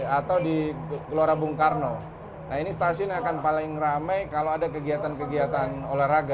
atau di gelora bung karno nah ini stasiun yang akan paling ramai kalau ada kegiatan kegiatan olahraga